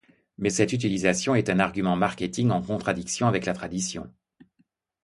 Mais cette utilisation est un argument marketing en contradiction avec la tradition.